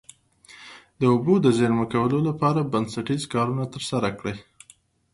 د اوبو د زیرمه کولو لپاره بنسټیز کارونه ترسره کړي.